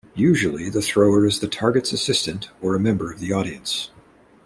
Usually the thrower is the target's assistant or a member of the audience.